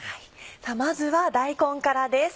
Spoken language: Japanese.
まずは大根からです。